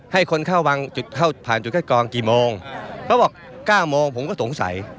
ให้คนเข้าวางจุดเข้าผ่านจุดคัดกรองกี่โมงเขาบอกเก้าโมงผมก็สงสัย